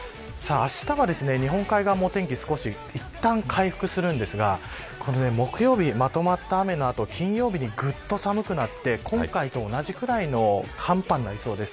あしたは日本海側もお天気、少しいったん回復するんですが木曜日、まとまった雨の後金曜日にぐっと寒くなって今回と同じぐらいの寒波になりそうです。